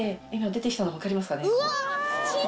出てきたの分かりますかね？